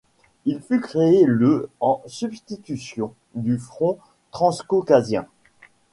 Il fut créé le en substitution du Front Transcaucasien.